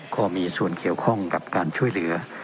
ก็มีส่วนเกี่ยวข้องกับการช่วยเหลือ